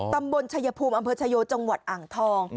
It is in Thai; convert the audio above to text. ตำบลชายภูมิอำเภอชายโยจังหวัดอ่างทอง